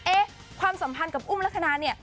เอ๊ะความสัมพันธ์กับอุ้มละครานานเนี่ย